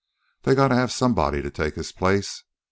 They gotta have somebody to take his place.